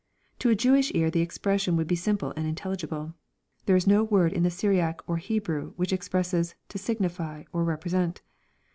To a Jewish ear the expression would be simple and intelligible. There is n^ word in the Syrian or Hebrew which expresses, to " signify," c " represent.".